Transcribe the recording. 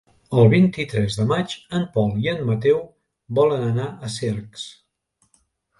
El vint-i-tres de maig en Pol i en Mateu volen anar a Cercs.